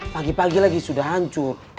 pagi pagi lagi sudah hancur